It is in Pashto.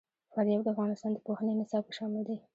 فاریاب د افغانستان د پوهنې نصاب کې شامل دي.